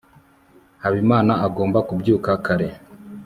habimana agomba kubyuka kare